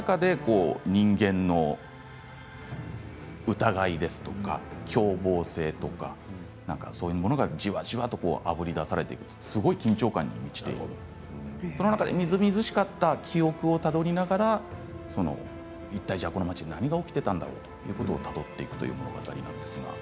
からからに渇いた暑さの中で人間の疑いとか凶暴性とかそういうものがじわじわとあぶり出されていく緊張感に満ちていてその中でみずみずしかった記憶をたどりながらいったい、この町で何が起きていたんだろうということをたどっていくんです。